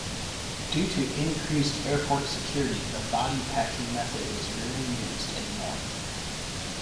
Due to increased airport security the "body packing" method is rarely used any more.